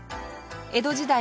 江戸時代